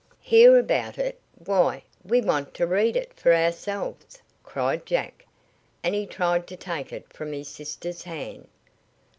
"Hear about it? Why, we want to read it for ourselves!" cried Jack, and he tried to take it from his sister's hand.